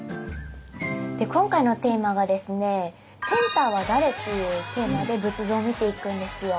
今回のテーマがですね「センターは誰？」っていうテーマで仏像を見ていくんですよ。